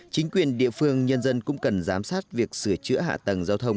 chính quyền địa phương nhân dân cũng cần giám sát việc sửa chữa hạ tầng giao thông